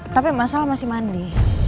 tapi masalah masih mandi